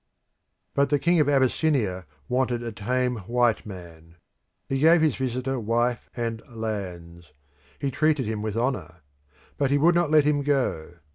But the king of Abyssinia wanted a tame white man. He gave his visitor wife and lands; he treated him with honour; but he would not let him go.